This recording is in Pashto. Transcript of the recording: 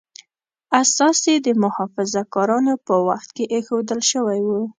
اساس یې د محافظه کارانو په وخت کې ایښودل شوی و.